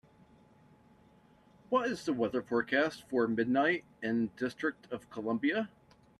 What is the weather forecast for Midnight in District Of Columbia?